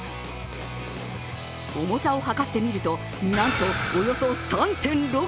重さをはかってみると、なんとおよそ３．６ｋｇ。